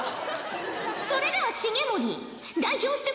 それでは重盛代表して答えよ！